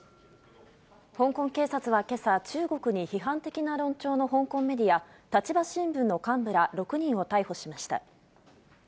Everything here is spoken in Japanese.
香港警察はけさ、中国に批判的な論調の香港メディア、立場新聞の幹部ら６人を逮捕しました。